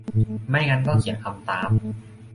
ไม่งั้นก็เขียนคำตาม